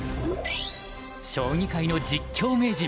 将棋界の実況名人